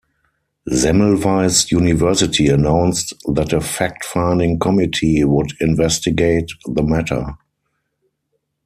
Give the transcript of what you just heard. Semmelweis University announced that a fact-finding committee would investigate the matter.